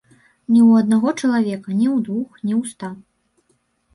Не ў аднаго чалавека, не ў двух і не ў ста.